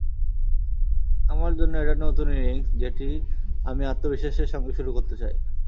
আমার জন্য এটা নতুন ইনিংস, যেটি আমি আত্মবিশ্বাসের সঙ্গে শুরু করতে চাই।